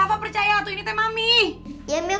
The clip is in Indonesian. apa gue ketauan